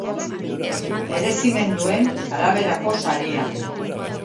Merezimenduen araberako saria.